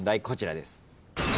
こちらです。